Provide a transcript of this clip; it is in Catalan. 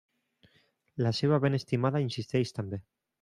La seva ben estimada insisteix també.